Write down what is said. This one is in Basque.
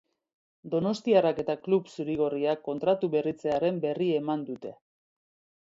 Donostiarrak eta klub zuri-gorriak kontratu berritzearen berri eman dute.